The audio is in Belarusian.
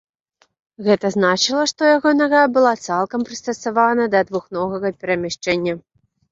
Гэта значыла, што яго нага была цалкам прыстасавана да двухногага перамяшчэння.